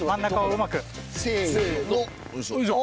よいしょ。